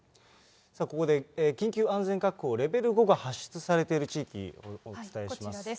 ここで緊急安全確保、レベル５が発出されている地域お伝えします。